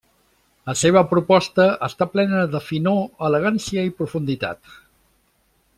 La seva proposta està plena de finor, elegància i profunditat.